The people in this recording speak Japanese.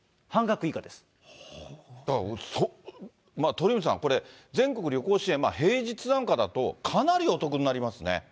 だから、鳥海さん、これ、全国旅行支援、平日なんかだと、かなりお得になりますね。